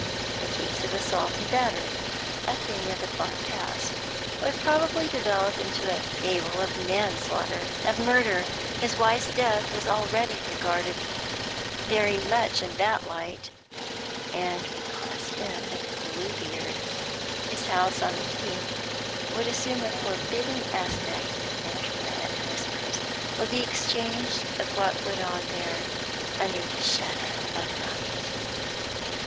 The case of assault and battery, a thing of the far past, would probably develop into a fable of manslaughter, of murder; his wife's death was already regarded very much in that light, and would class him with Bluebeard; his house on the Heath would assume a forbidding aspect, and dread whispers would be exchanged of what went on there under the shadow of night.